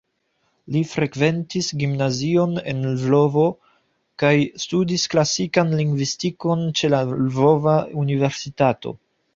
Li frekventis gimnazion en Lvovo kaj studis klasikan lingvistikon ĉe la Lvova Universitato.